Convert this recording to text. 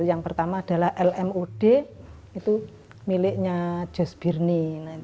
yang pertama adalah lmod itu miliknya jazz birni